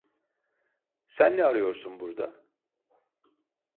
Sen ne arıyorsun burada?